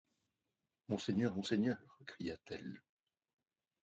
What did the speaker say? Monseigneur, monseigneur, cria-t-elle